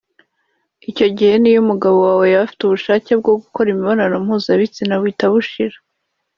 icyo gihe niyo umugabo wawe yaba yarafite ubushake bwo gukora imibonano mpuzabitsina buhita bushira